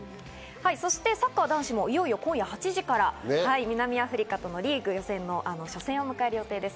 サッカー男子もいよいよ今夜８時から南アフリカとのリーグ予選、初戦を迎えます。